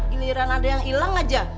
iliran ada yang ilang aja